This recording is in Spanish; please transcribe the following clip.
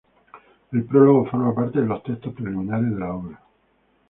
El prólogo forma parte de los textos preliminares de la obra.